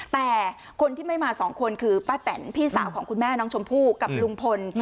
แต่คนที่ไม่มาสองคนคือป้าแตนพี่สาวของคุณแม่น้องชมพู่กับลุงพล